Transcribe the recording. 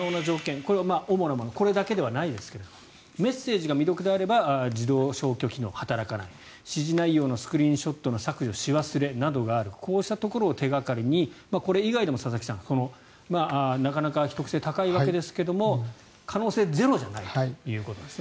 これは主なものこれだけではないですがメッセージが未読であれば自動消去機能は働かない指示内容のスクリーンショットの削除し忘れなどがあるこうしたところを手掛かりにこれ以外でも佐々木さん、なかなか秘匿性が高いわけですが今は可能性はゼロじゃないということなんですね。